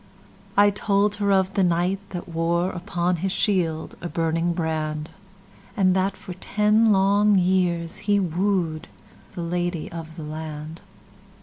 I told her of the Knight that woreUpon his shield a burning brand; And that for ten long years he woo'dThe Lady of the Land.